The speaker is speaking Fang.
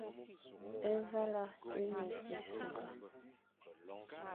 Évala é ne ésughga.